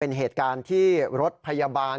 เป็นเหตุการณ์ที่รถพยาบาล